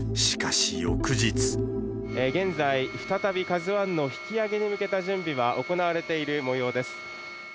現在、再びＫＡＺＵＩの引き揚げに向けた準備が行われているもようです。